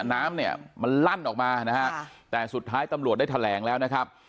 น้ำเนี่ยมันลั่นออกมานะฮะแต่สุดท้ายตำรวจได้แถลงแล้วนะครับ